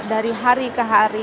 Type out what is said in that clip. dari hari ke hari